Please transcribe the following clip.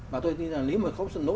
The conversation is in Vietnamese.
và tôi nghĩ là nếu mà không xử lý được